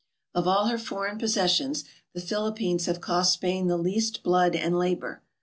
Of all her foreign possessions, the Philippines have cost Spain the least blood and labor.